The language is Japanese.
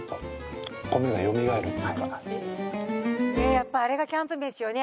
やっぱあれがキャンプ飯よね。